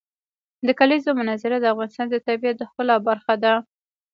د کلیزو منظره د افغانستان د طبیعت د ښکلا برخه ده.